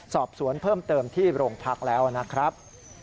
สอบสวนเพิ่มเติมที่โรงพักแล้วนะครับ